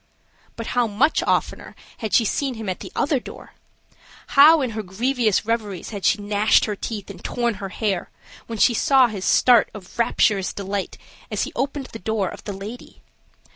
But how much oftener had she seen him at the other door! How in her grievous reveries had she gnashed her teeth, and torn her hair, when she saw his start of rapturous delight as he opened the door of the lady!